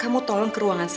kamu tolong ke ruangan saya